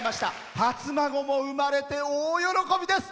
初孫も産まれて大喜びです。